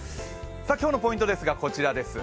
今日のポイントですがこちらです。